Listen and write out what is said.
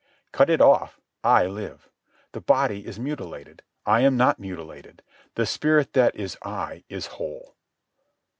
Cut it off. I live. The body is mutilated. I am not mutilated. The spirit that is I is whole.